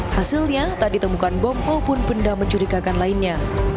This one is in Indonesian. hasilnya tak ditemukan bom maupun benda mencurigakan lainnya